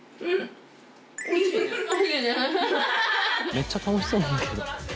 めっちゃ楽しそうなんだけど。